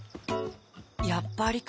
やっぱりか。